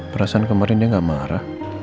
perasaan kemarin dia gak marah